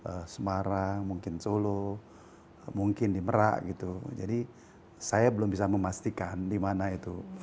di semarang mungkin solo mungkin di merak gitu jadi saya belum bisa memastikan di mana itu